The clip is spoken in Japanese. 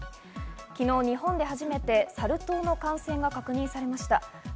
昨日、日本で初めてサル痘の感染が確認されました。